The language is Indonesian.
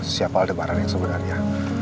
siapa ada barang yang sebenarnya